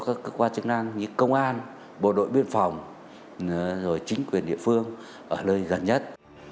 các cơ quan chức năng như công an bộ đội biên phòng rồi chính quyền địa phương ở nơi gần nhất